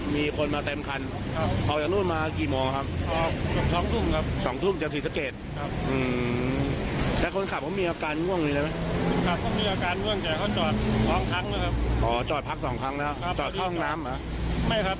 มีคนมาเต็มครันออกจากโรนี่มากี่โมงอ่ะครับ